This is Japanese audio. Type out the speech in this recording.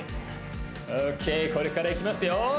これからいきますよ